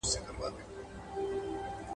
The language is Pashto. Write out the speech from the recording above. د ننګ او شرم بېخي ترخې اوبه څښي